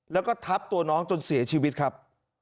แล้วก็ทับตัวน้องจนเสียชีวิตครับ